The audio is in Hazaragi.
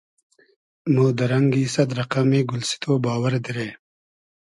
مۉ دۂ رئنگی سئد رئقئمی گولسیتۉ باوئر دیرې